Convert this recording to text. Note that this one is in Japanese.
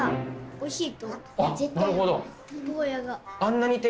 おいしい。